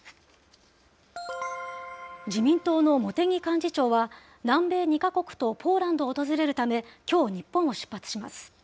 自民党の茂木幹事長は、南米２か国とポーランドを訪れるため、きょう、日本を出発します。